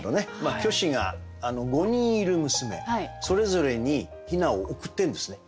虚子が５人いる娘それぞれに雛を贈ってるんですね。